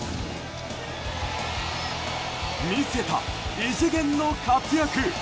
見せた異次元の活躍！